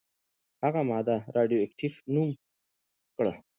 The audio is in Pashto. هغې ماده «راډیواکټیف» نوم کړه.